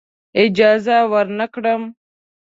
اجازه ورنه کړم.